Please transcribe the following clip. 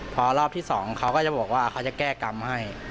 พอรอบที่๒เขาก็จะบอกว่าเขาจะแก้กรรมให้